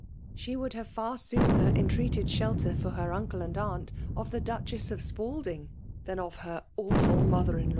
'She would have far sooner. eiitYeated shelter •for hpT unde and' Mitti of . the iDuefaess of apaldiDg,' than of her awful motiier ui bnr.